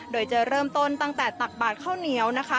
โดยจะเริ่มต้นตั้งแต่ตักบาดข้าวเหนียวนะคะ